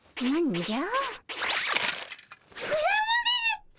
何じゃ？